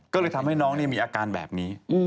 ก็เลยทำให้น้องมีอาการแบบนี้